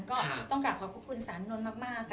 ก็ต้องกราบขอบคุณศาลล้อคุณเธอมาก